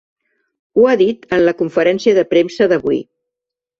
Ho ha dit en la conferència de premsa d’avui.